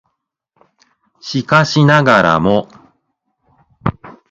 しかしながらも